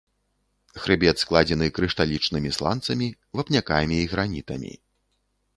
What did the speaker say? Хрыбет складзены крышталічнымі сланцамі, вапнякамі і гранітамі.